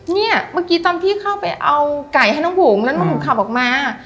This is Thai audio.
เนี่ยเมื่อกี้ตอนพี่เข้าไปเอาไก่ให้น้องบุ๋มแล้วน้องบุ๋มขับออกมา